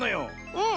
うん。